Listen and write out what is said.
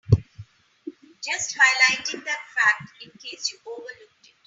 Just highlighting that fact in case you overlooked it.